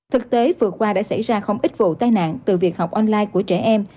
thực tế vừa qua đã xảy ra không ít vụ tai nạn từ việc học online của trẻ em